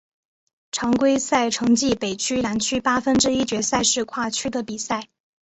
常规赛成绩北区南区八分之一决赛是跨区的比赛。